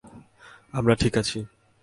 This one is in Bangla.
আমরা ঠিক আছি!